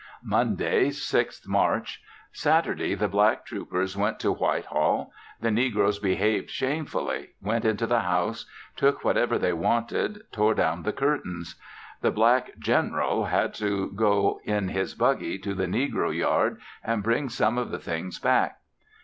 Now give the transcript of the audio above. Monday, 6th March. Saturday the black troopers went to White Hall. The negroes behaved shamefully; went into the house; took whatever they wanted; tore down the curtains. The black "general" had to go in his buggy to the negro yard and bring some of the things back.